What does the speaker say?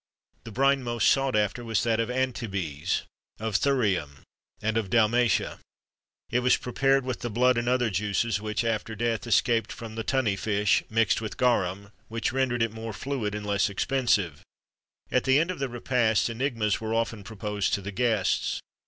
The brine most sought after was that of Antibes, of Thurium, and of Dalmatia.[XXIII 15] It was prepared with the blood and other juices which, after death, escaped from the tunny fish,[XXIII 16] mixed with garum, which rendered it more fluid and less expensive. At the end of the repast, enigmas were often proposed to the guests.